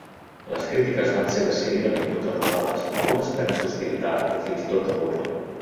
Les crítiques van ser decididament contraposades, algunes plenes d'hostilitat o fins i tot de burla.